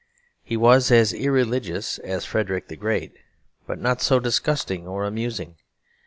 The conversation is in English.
He was as irreligious as Frederick the Great, but not so disgusting or amusing.